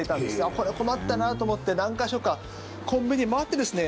これ、困ったなと思って何か所かコンビニ回ってですね